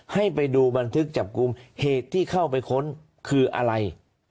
ให้ไปดูบันทึกจับกลุ่มเหตุที่เข้าไปค้นคืออะไร